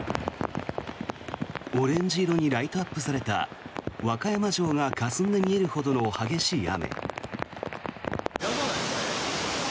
オレンジ色にライトアップした和歌山城がかすんで見えるほどの激しい雨。